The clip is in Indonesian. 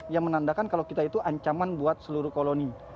yang menandakan kalau kita itu ancaman buat seluruh koloni